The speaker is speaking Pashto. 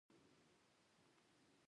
همغه عقلانیت چې په نه شتون یې جزا ګالو.